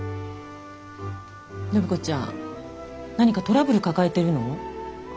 暢子ちゃん何かトラブル抱えてるの？